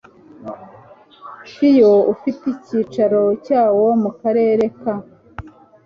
fiyo ufite icyicaro cyawo mu karere ka